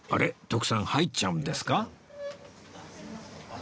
徳さん入っちゃうんですか？